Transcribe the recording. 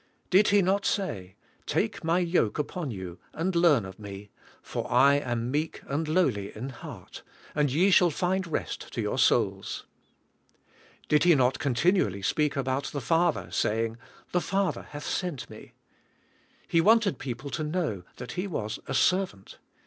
Did He not say; "Take my yoke upon you and learn of Me, for I am meek and lowly in heart, and ye shall find rest to your souls." Did He not continually speak about the Father, saying , "The Father hath sent Me." He wanted people to know that He was a servant.